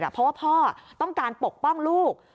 เพราะว่าพ่อต้องการปกป้องลูก